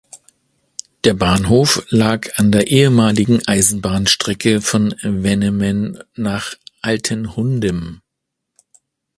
Der Bahnhof lag an der ehemaligen Eisenbahnstrecke von Wennemen nach Altenhundem.